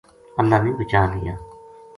اللہ نے بچا لیا